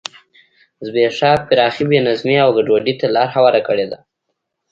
زبېښاک پراخې بې نظمۍ او ګډوډۍ ته لار هواره کړې ده.